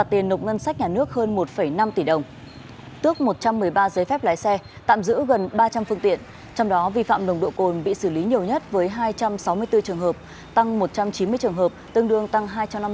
tăng một trăm chín mươi trường hợp tương đương tăng hai trăm năm mươi sáu bảy